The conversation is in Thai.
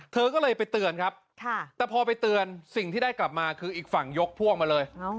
เธอก็เลยไปเตือนครับแต่พอไปเตือนสิ่งที่ได้กลับมาคืออีกฝั่งยกพวกมาเลย